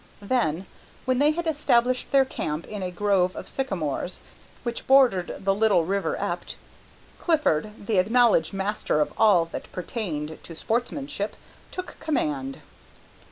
Then, when they had established their camp in a grove of sycamores which bordered the little river Ept, Clifford, the acknowledged master of all that pertained to sportsmanship, took command.